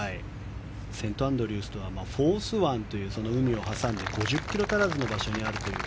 セントアンドリュースはフォース湾という海を挟んで５０ｋｍ足らずの場所にあるという。